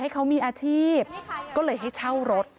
เขามีอาชีพก็เลยให้เช่ารถ